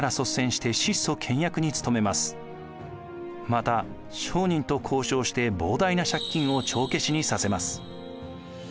また商人と交渉して膨大な借金を帳消しにさせます。